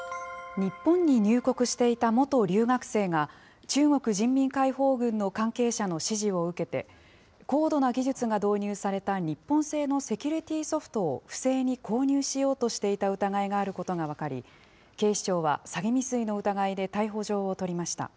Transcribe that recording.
日本に入国していた元留学生が、中国人民解放軍の関係者の指示を受けて、高度な技術が導入された日本製のセキュリティーソフトを不正に購入しようとしていた疑いがあることが分かり、警視庁は詐欺未遂の疑いで逮捕状を取りました。